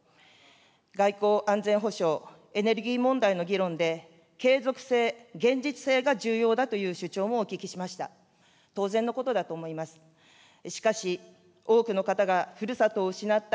外交・安全保障、エネルギー問題の議論で、継続性、現実性が重要だという主張もお聞きしました。